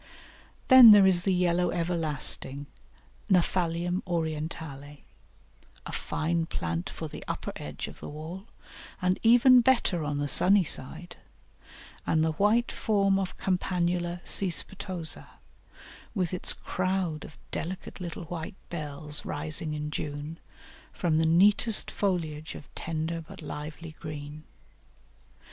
Then there is the Yellow Everlasting (Gnaphalium orientale), a fine plant for the upper edge of the wall, and even better on the sunny side, and the white form of Campanula cæspitosa, with its crowd of delicate little white bells rising in June, from the neatest foliage of tender but lively green.